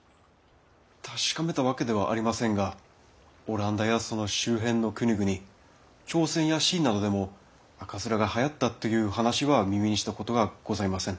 確かめたわけではありませんがオランダやその周辺の国々朝鮮や清などでも赤面がはやったという話は耳にしたことがございませぬ。